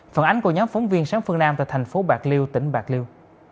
phản ánh của nhóm phóng viên sáng phương nam tại thành phố bạc liêu tỉnh bạc liêu